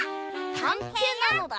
たんていなのだ。